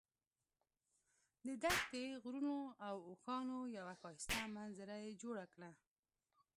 د دښتې، غرونو او اوښانو یوه ښایسته منظره یې جوړه کړه.